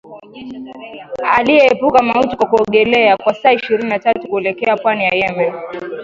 aliyeepuka mauti kwa kuogelea kwa saa ishirini na tatu kuelekea pwani ya yemen